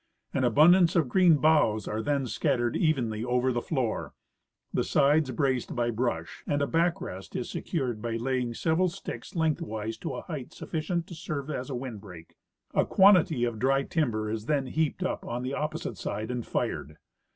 An abundance of green boughs are then scattered evenly over the floor, the sides braced by brush, and a back rest is secured by laying several sticks lengthwise to a height sufficient to serve as a wind break. A quantity of dry timber is then heaped up on the opposite side and fired.